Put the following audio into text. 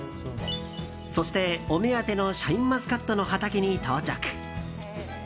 そして、お目当てのシャインマスカットの畑に到着。